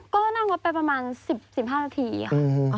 ก็น่าวงดไปประมาณ๑๐๑๕นาทีค่ะ